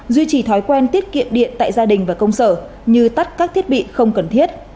duy trì thói quen tiết kiệm điện tại gia đình và công sở như tắt các thiết bị không cần thiết